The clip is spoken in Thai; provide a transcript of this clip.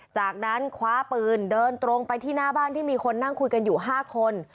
จากนั้นคว้าปืนเดินตรงไปที่หน้าบ้านที่มีคนนั่งคุยกันอยู่๕คน